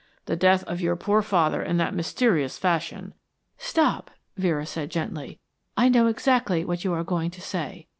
The death of your poor father in that mysterious fashion " "Stop," Vera said gently. "I know exactly what you are going to say.